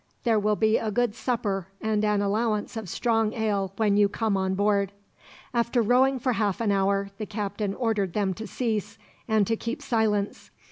There will be a good supper, and an allowance of strong ale, when you come on board." After rowing for half an hour, the captain ordered them to cease, and to keep silence.